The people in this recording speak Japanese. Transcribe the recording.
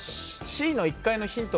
Ｃの１階のヒント。